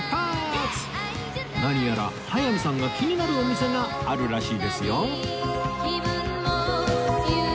何やら早見さんが気になるお店があるらしいですよ